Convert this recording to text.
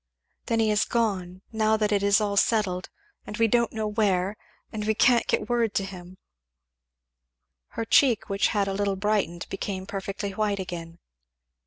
"Then he is gone! now that it is all settled! And we don't know where and we can't get word to him " Her cheek which had a little brightened became perfectly white again.